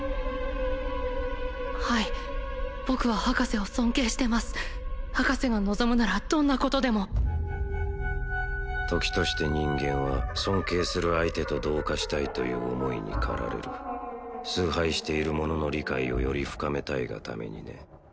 はい僕は博士を尊敬してます博士が望むならどんなことでもときとして人間は尊敬する相手と同化したいという思いに駆られる崇拝している者の理解をより深めたいがためにね